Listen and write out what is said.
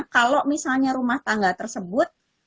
kalau misalnya rumah tangga tersebut